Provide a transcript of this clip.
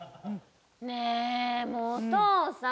ねえもうお父さん。